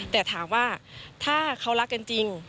แต่ถามว่าถ้าเขารักกันจริง